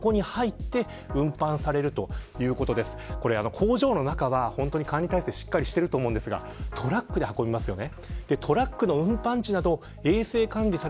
工場の中は管理体制しっかりしていると思うんですがトラックで運びますよね。